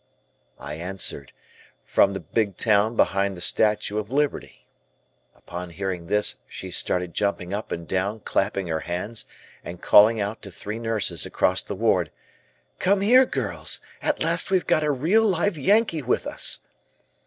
I answered: "From the big town behind the Statue of Liberty"; upon hearing this she started jumping up and down, clapping her hands, and calling out to three nurses across the ward: "Come here, girls at last we have got a real live Yankee with us."